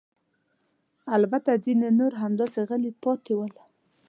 البته ځیني نور همداسې غلي پاتې ول.